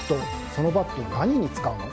そのバット、何に使うの。